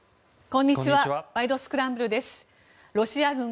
こんにちは。